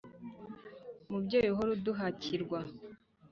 umubyeyi uhora aduhakirwa